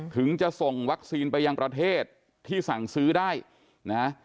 ถึงจะส่งวัคซีนไปยังประเทศที่สั่งซื้อได้นะ